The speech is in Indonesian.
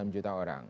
enam juta orang